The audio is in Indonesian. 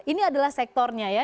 ini adalah sektornya ya